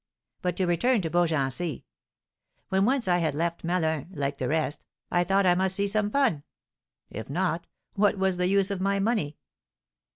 But to return to Beaugency. When once I had left Melun, like the rest, I thought I must see some fun; if not, what was the use of my money?